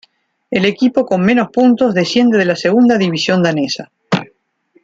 El equipo con menos puntos descienden a la Segunda División Danesa.